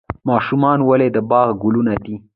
ماشومان ولې د باغ ګلونه دي؟